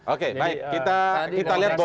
oke baik kita lihat